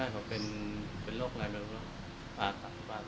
แล้วแกเครียดแบบนี้เป็นยังไง